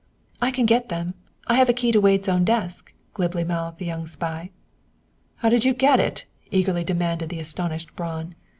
"I can get them! I have a key to Wade's own desk," glibly mouthed the young spy. "How did you get it?" eagerly demanded the astonished Braun.